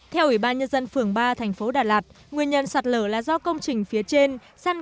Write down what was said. theo ủy ban nhân dân phường ba thành phố đà lạt nguyên nhân sạt lở là do công trình phía trên săn gạt đất để thi công nhà ở